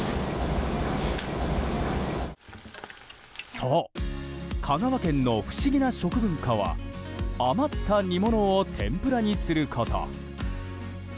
そう、香川県の不思議な食文化は余った煮物を天ぷらにすること。